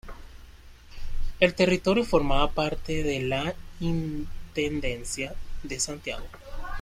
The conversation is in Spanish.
El territorio formaba parte de la intendencia de Santiago.